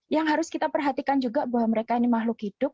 yang harus kita perhatikan juga bahwa mereka ini makhluk hidup